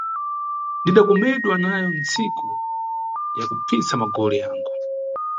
Ndidakomedwa nayo ntsiku ya kupfitsa magole yangu.